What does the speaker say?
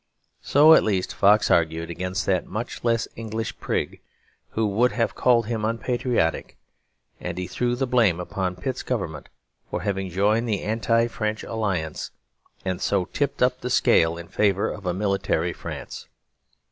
So, at least, Fox argued against that much less English prig who would have called him unpatriotic; and he threw the blame upon Pitt's Government for having joined the anti French alliance, and so tipped up the scale in favour of a military France.